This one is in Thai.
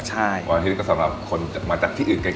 วันอาทิตย์ก็สำหรับคนมาจากที่อื่นไกล